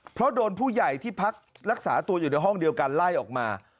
เพราะโดนผู้ใหญ่ที่พักรักษาตัวอยู่ในห้องเดียวกันไล่ออกมา